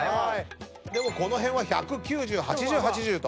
でもこの辺は１００９０８０８０と。